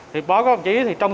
thì bó có một chí thì trong